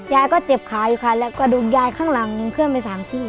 ยายก็เจ็บขาอยู่ค่ะแล้วกระดูกยายข้างหลังเคลื่อนไปสามซี่